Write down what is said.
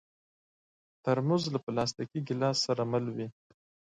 ترموز له پلاستيکي ګیلاس سره مل وي.